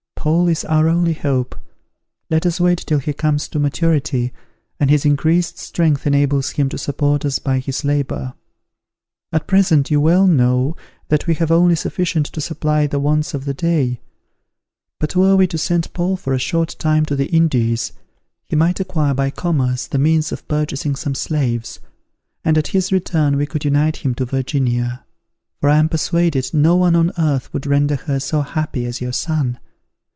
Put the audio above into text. Paul is our only hope: let us wait till he comes to maturity, and his increased strength enables him to support us by his labour: at present you well know that we have only sufficient to supply the wants of the day: but were we to send Paul for a short time to the Indies, he might acquire, by commerce, the means of purchasing some slaves; and at his return we could unite him to Virginia; for I am persuaded no one on earth would render her so happy as your son.